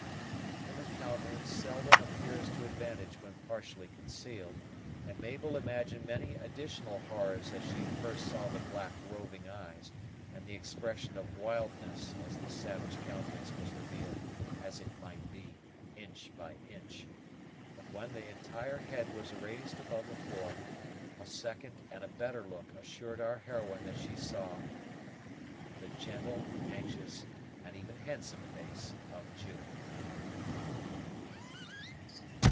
The human countenance seldom appears to advantage when partially concealed; and Mabel imagined many additional horrors as she first saw the black, roving eyes and the expression of wildness as the savage countenance was revealed, as it might be, inch by inch; but when the entire head was raised above the floor, a second and a better look assured our heroine that she saw the gentle, anxious, and even handsome face of June.